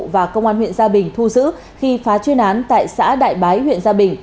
và công an huyện gia bình thu giữ khi phá chuyên án tại xã đại bái huyện gia bình